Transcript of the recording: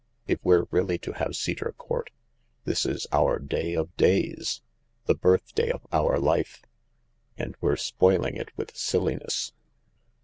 If we're really to have Cedar Court, this is our day of days — the birthday of our life. And we're spoiling it with silliness.